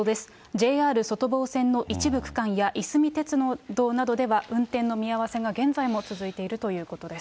ＪＲ外房線の一部区間やいすみ鉄道などでは運転の見合わせが現在も続いているということです。